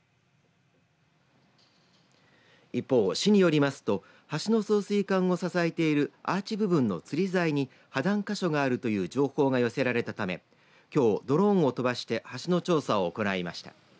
一方、市によりますと橋の送水管を支えているアーチ部分のつり材に破綻か所があるという情報が寄せられたためきょう、ドローンを飛ばして橋の調査を行いました。